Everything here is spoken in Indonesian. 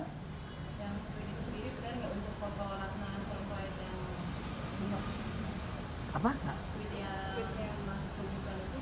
politik sendiri bukan untuk popo ratna sel white yang